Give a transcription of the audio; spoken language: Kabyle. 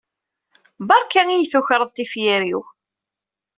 Berka i yi-tukreḍ tifyar-iw!